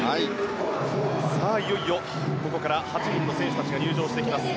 いよいよここから８人の選手たちが入場してきます。